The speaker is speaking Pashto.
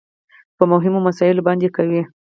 په مهمو مسايلو باندې کوي .